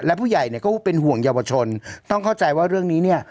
และผู้ใหญ่เนี่ยก็เป็นห่วงเยาวชนต้องเข้าใจว่าเรื่องนี้เนี่ย